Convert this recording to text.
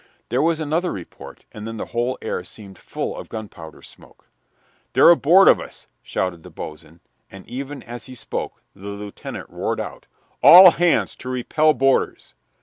There was another report, and then the whole air seemed full of gunpowder smoke. "They're aboard of us!" shouted the boatswain, and even as he spoke the lieutenant roared out, "All hands to repel boarders!"